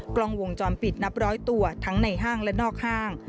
กล้องวงจรปิดนับร้อยตัวทั้งในห้างและนอกห้าง